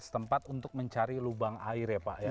setempat untuk mencari lubang air